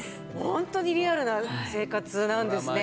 本当にリアルな生活なんですね。